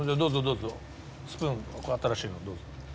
スプーンこれ新しいのどうぞ。